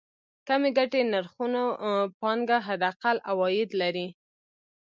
کمې ګټې نرخونو پانګه حداقل عواید لري.